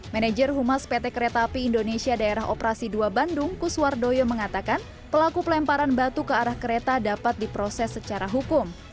manager humas pt kereta api indonesia daerah operasi dua bandung kuswardoyo mengatakan pelaku pelemparan batu ke arah kereta dapat diproses secara hukum